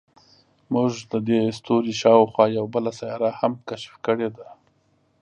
موږ د دې ستوري شاوخوا یوه بله سیاره هم کشف کړې ده.